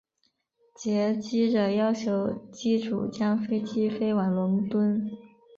劫机者要求机组将飞机飞往伦敦。